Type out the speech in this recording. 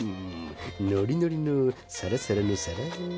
ノリノリのサラサラのサラー。